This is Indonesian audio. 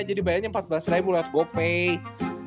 jadi bayarnya empat belas harus gue pay